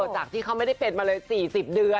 จากที่เขาไม่ได้เป็นมาเลย๔๐เดือน